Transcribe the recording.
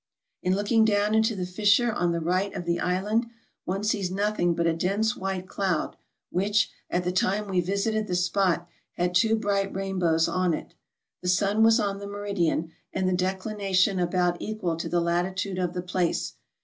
In looking down into the fissure on the right of the island, one sees nothing but a dense white cloud, which, at the time we visited the spot, had two bright rainbows on it. The sun was on the meridian, and the declination about equal to the latitude of the place.